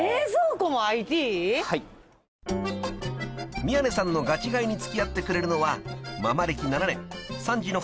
［宮根さんのガチ買いに付き合ってくれるのはママ歴７年３児の母